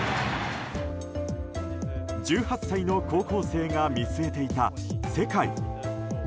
１８歳の高校生が見据えていた世界。